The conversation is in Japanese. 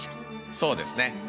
そうですね。